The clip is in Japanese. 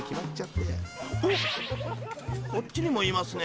［こっちにもいますね。